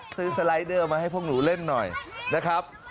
สไลเดอร์มาให้พวกหนูเล่นหน่อยนะครับ